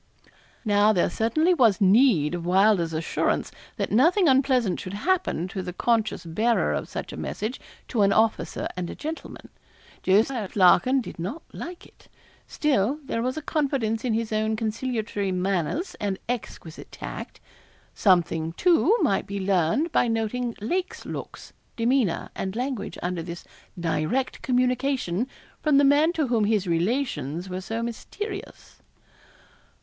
Now there certainly was need of Wylder's assurance that nothing unpleasant should happen to the conscious bearer of such a message to an officer and a gentleman. Jos. Larkin did not like it. Still there was a confidence in his own conciliatory manners and exquisite tact. Something, too, might be learned by noting Lake's looks, demeanour, and language under this direct communication from the man to whom his relations were so mysterious.